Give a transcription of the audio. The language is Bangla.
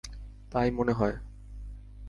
তাই মনে হয়।